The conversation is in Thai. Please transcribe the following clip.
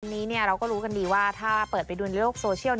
วันนี้เราก็รู้กันดีว่าถ้าเปิดไปดูในโลกโซเชียล